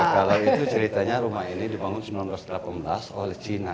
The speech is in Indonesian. kalau itu ceritanya rumah ini dibangun seribu sembilan ratus delapan belas oleh cina